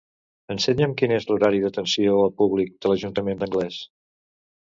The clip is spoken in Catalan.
Ensenya'm quin és l'horari d'atenció al públic de l'Ajuntament d'Anglès.